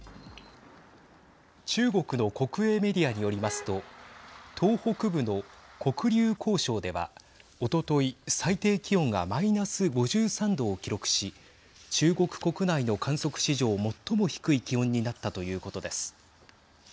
中国の国営メディアによりますと東北部の黒竜江省ではおととい、最低気温がマイナス５３度を記録し中国国内の観測史上最も低い気温になったということです。